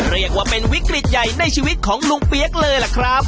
เรียกว่าเป็นวิกฤตใหญ่ในชีวิตของลุงเปี๊ยกเลยล่ะครับ